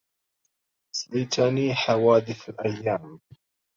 نسيتني حوادث الأيام